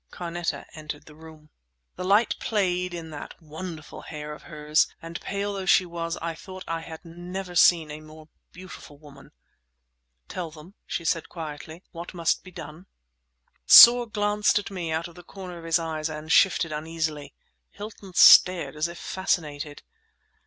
Carneta entered the room. The light played in that wonderful hair of hers; and pale though she was, I thought I had never seen a more beautiful woman. "Tell them," she said quietly, "what must be done." Soar glanced at me out of the corner of his eyes and shifted uneasily. Hilton stared as if fascinated.